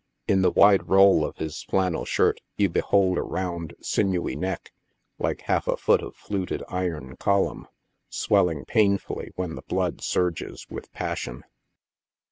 In the wide roll of his flannel shirt you behold a round, sinewy neck, like half a foot of fluted iron column swell ing painfully when the blood surges with passion.